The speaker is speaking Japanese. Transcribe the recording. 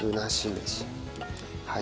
はい。